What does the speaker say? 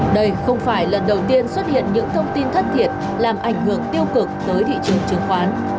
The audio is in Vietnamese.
đây không phải lần đầu tiên xuất hiện những thông tin thất thiệt làm ảnh hưởng tiêu cực tới thị trường chứng khoán